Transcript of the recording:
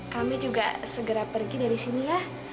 kami juga segera pergi dari sini ya